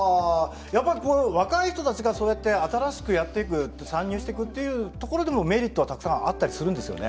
やっぱりこう若い人たちがそうやって新しくやっていく参入していくっていうところでもメリットはたくさんあったりするんですよね。